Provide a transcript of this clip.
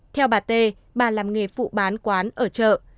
theo bà t bà làm nghề phụ bán quán ở chợ